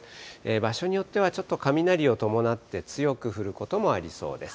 場所によってはちょっと雷を伴って強く降ることもありそうです。